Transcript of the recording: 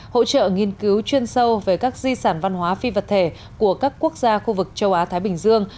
hỗ trợ nghiên cứu chuyên sâu về các di sản văn hóa phi vật thể của các quốc gia khu vực châu á thái bình dương